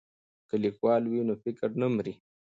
که لیکوال وي نو فکر نه مري.